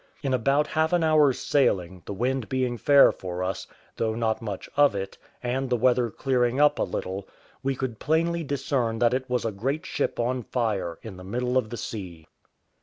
In about half an hour's sailing, the wind being fair for us, though not much of it, and the weather clearing up a little, we could plainly discern that it was a great ship on fire in the middle of the sea.